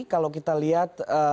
kalau kita lihat